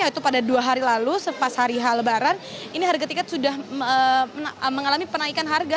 yaitu pada dua hari lalu sepas hari h lebaran ini harga tiket sudah mengalami penaikan harga